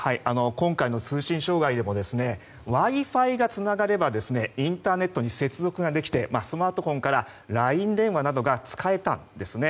今回の通信障害でもＷｉ‐Ｆｉがつながればインターネットに接続できてスマートフォンからＬＩＮＥ電話などが使えたんですね。